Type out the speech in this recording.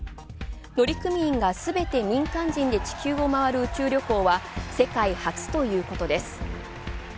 乗組員がすべて民間人で宇宙旅行は世界初ということです。